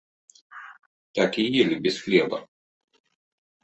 Так і елі без хлеба.